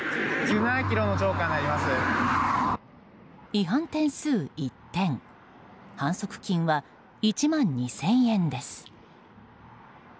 違反点数１点反則金は１万２０００円です。